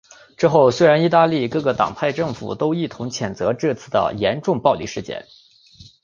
之后虽然意大利各个党派政府都一同谴责这次的严重暴力事件。